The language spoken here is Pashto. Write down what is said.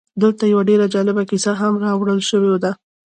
دلته یوه ډېره جالبه کیسه هم راوړل شوې ده